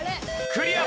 クリア！